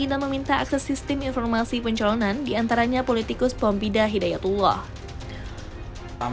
dan meminta akses sistem informasi pencalonan diantaranya politikus pompida hidayatunisimu